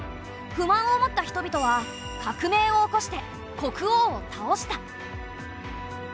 不満を持った人々は革命を起こして国王をたおした。